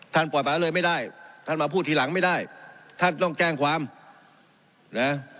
ปล่อยป่าเลยไม่ได้ท่านมาพูดทีหลังไม่ได้ท่านต้องแจ้งความนะ